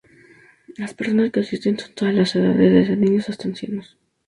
Las personas que asisten son de todas las edades, desde niños hasta ancianos.